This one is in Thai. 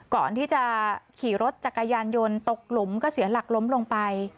ก่อนที่จะขี่รถจักรยานยนต์ตกหลุมก็เสียหลักล้มลงไป